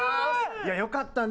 いやよかったね。